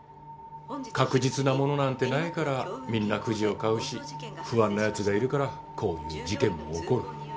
確実なものなんて無いからみんなくじを買うし不安な奴がいるからこういう事件も起こる。